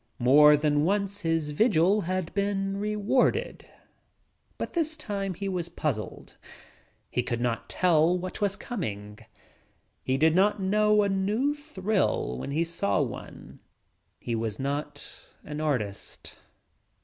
More than once his vigil had been rewarded. But this time he was puzzled. He could not tell what was coming. He did not know a new when he saw one. He was not an "artist."